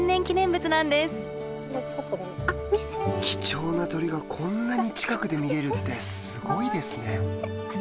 貴重な鳥がこんなに近くで見れるってすごいですね！